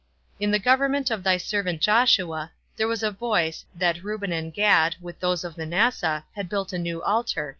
In the government of thy servant Joshua, there was a voice, that Reuben and Gad, with those of Manasseh, had built a new altar.